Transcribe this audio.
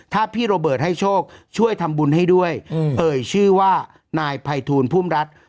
ถ้าพี่โรเบิร์ตให้โชคช่วยทำบุญให้ด้วยเอ่ยชื่อว่านายภัยทูลพุ่มรัฐ